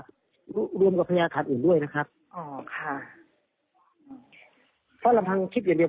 รวมกับพยาคารอื่นด้วยนะครับอ๋อค่ะพอเราพังคลิปอย่างเดียว